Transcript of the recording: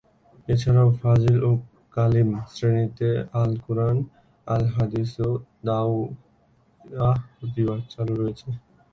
এছাড়াও ফাজিল ও কামিল শ্রেণীতে আল কুরআন, আল হাদিস ও দাওয়াহ বিভাগ চালু রয়েছে।